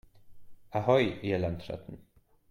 Ahoi, ihr Landratten!